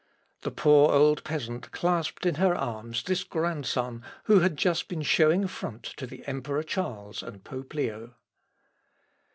The poor old peasant clasped in her arms this grandson who had just been showing front to the emperor Charles and pope Leo.